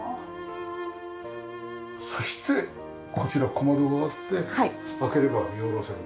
そしてこちら小窓があって開ければ見下ろせるという。